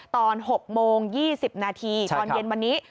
ตอน๖โมง๒๐นาทีตอนเย็นวันนี้